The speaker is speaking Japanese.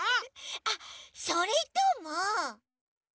あっそれとも。